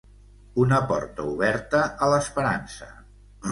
Una porta oberta a l'esperança.